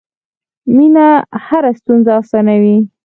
مینه هره ستونزه اسانوي.